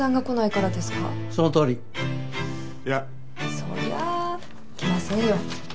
そりゃあ来ませんよ。